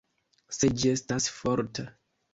Se ĝi estas forta.